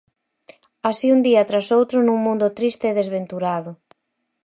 Así un día tras outro nun mundo triste e desventurado.